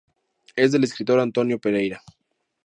Es del escritor Antonio Pereira.